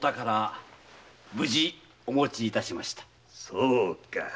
そうか。